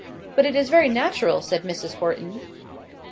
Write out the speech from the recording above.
"But it is very natural," said Mrs. Horton.